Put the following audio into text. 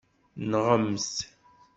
Nɣemt!